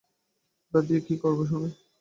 ওটা দিয়ে কী করবো শুনি?